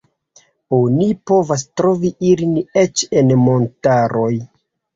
Oni povas trovi ilin eĉ en montaroj.